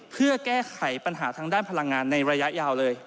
เพื่อแก้ไขปัญหาทางด้านพลังงานในระยะยาวเลย